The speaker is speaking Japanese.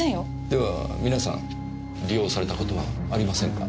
では皆さん利用されたことはありませんか？